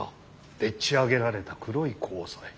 でっち上げられた黒い交際」。